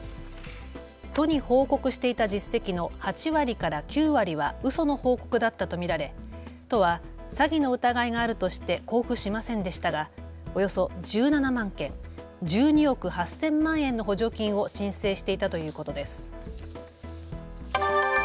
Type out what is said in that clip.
都に報告していた実績の８割から９割はうその報告だったと見られ都は詐欺の疑いがあるとして交付しませんでしたがおよそ１７万件、１２億８０００万円の補助金を申請していたということです。